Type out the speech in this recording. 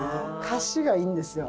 歌詞がいいんですよ。